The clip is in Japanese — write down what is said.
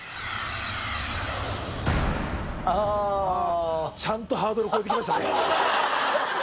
◆舛叩ちゃんとハードルを超えてきましたね